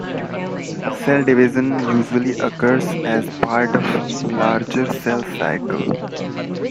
Cell division usually occurs as part of a larger cell cycle.